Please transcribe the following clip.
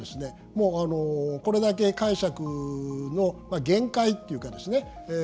もうあのこれだけ解釈の限界っていうかですねえ